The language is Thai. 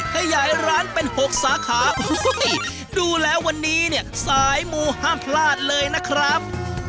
ขยายร้านเป็น๖สาขาดูแล้ววันนี้เนี่ยสายมูห้ามพลาดเลยนะครับ